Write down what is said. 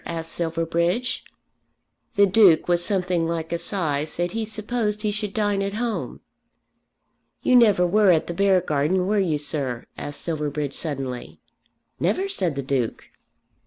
asked Silverbridge. The Duke, with something like a sigh, said he supposed he should dine at home. "You never were at the Beargarden; were you, sir?" asked Silverbridge suddenly. "Never," said the Duke.